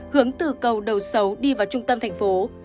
hướng từ cầu đầu xấu đi vào trung tâm thành phố